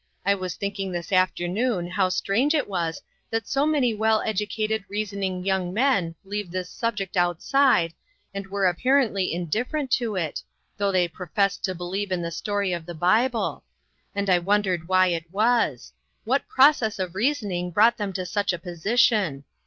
I was thinking this afternoon how strange it was that so many well educated, reasoning young men left this subject outside, and were apparently indifferent to it, thougli they professed to believe in the story of the Bible ; and I wondered why it was : what process of reasoning brought them to such a position.